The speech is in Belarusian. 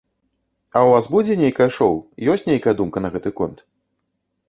А ў вас будзе нейкае шоў, ёсць нейкая думка на гэты конт?